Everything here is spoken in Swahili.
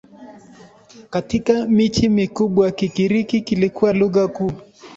Katika miji mikubwa Kigiriki kilikuwa lugha kuu.